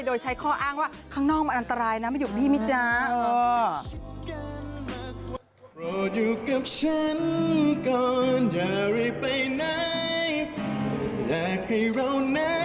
โดยใช้ข้ออ้างว่าข้างนอกมันอันตรายนะไม่อยู่บีมิจ้า